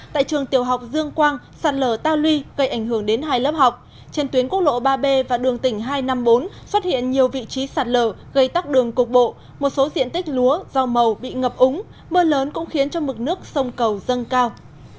tại trường tiểu học dương quang sạt lở tao luy gây ảnh hưởng đến hai lớp học trên tuyến quốc lộ ba b và đường tỉnh hai trăm năm mươi bốn xuất hiện nhiều vị trí sạt lở gây tắc đường cục bộ một số diện tích lúa rau màu bị ngập úng mưa lớn cũng khiến cho mực nước sông cầu dâng cao